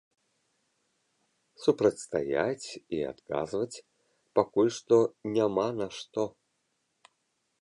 Супрацьстаяць і адказваць пакуль што няма на што.